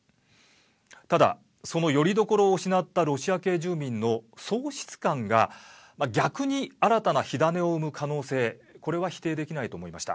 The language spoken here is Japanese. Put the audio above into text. ただ、そのよりどころを失ったロシア系住民の喪失感が逆に新たな火種を生む可能性これは否定できないと思いました。